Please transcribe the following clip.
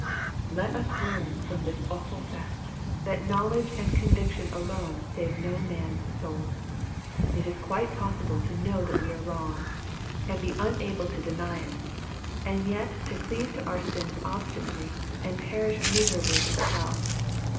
Let us learn from this awful fact, that knowledge and conviction alone save no man's soul. It is quite possible to know that we are wrong, and be unable to deny it, and yet to cleave to our sins obstinately, and perish miserably in hell.